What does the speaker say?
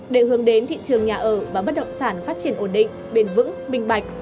để hướng đến thị trường nhà ở và bất động sản phát triển ổn định bền vững minh bạch